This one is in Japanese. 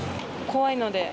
怖いので。